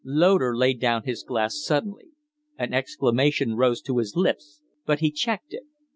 Loder laid down his glass suddenly. An exclamation rose to his lips, but he checked it.